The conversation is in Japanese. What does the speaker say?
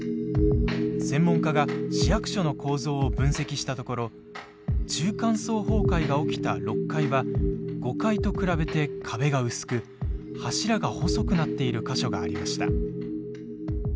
専門家が市役所の構造を分析したところ中間層崩壊が起きた６階は５階と比べて壁が薄く柱が細くなっている箇所がありました。